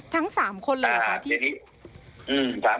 ทั้ง๓คนเลยครับ